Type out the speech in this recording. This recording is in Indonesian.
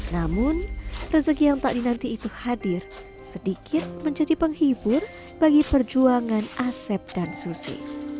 namun rezeki yang tak dinanti itu hadir sedikit menjadi penghibur bagi perjuangan asep dan susi